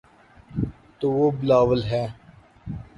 تو وہ بلاول ہیں۔